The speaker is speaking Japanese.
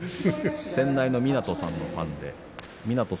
先代の湊さんのファンでした。